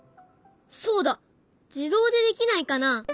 そうだ自動でできないかな？